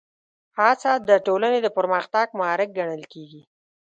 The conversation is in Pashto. هڅه د ټولنې د پرمختګ محرک ګڼل کېږي.